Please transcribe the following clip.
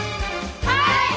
はい！